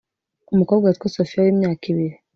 umukobwa witwa sofia w’imyaka ibiri